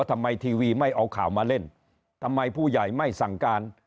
ทำไมทีวีไม่เอาข่าวมาเล่นทำไมผู้ใหญ่ไม่สั่งการ